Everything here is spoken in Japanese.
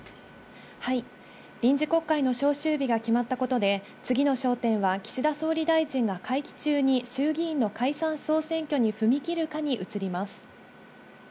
臨時国会の召集日が決まったことで、次の焦点は、岸田総理大臣が会期中に衆議院の解散・総選挙に踏み切るかに移ります。